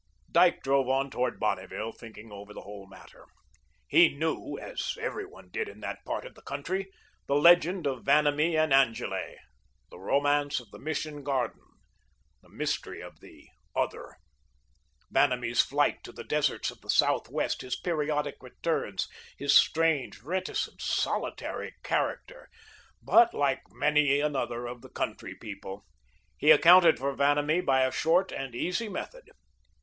Dyke drove on toward Bonneville, thinking over the whole matter. He knew, as every one did in that part of the country, the legend of Vanamee and Angele, the romance of the Mission garden, the mystery of the Other, Vanamee's flight to the deserts of the southwest, his periodic returns, his strange, reticent, solitary character, but, like many another of the country people, he accounted for Vanamee by a short and easy method.